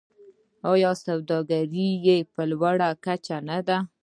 آیا سوداګري یې په لوړه کچه نه ده؟